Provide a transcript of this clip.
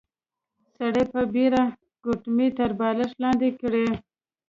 سړي په بيړه ګوتمۍ تر بالښت لاندې کړې.